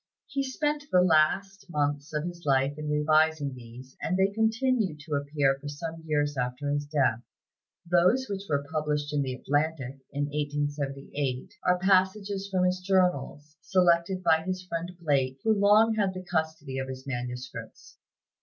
He spent the last months of his life in revising these, and they continued to appear for some years after his death. Those which were published in the "Atlantic" in 1878 are passages from his journals, selected by his friend Blake, who long had the custody of his manuscripts.